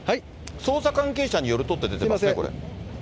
捜査関係者によるとって出てますね。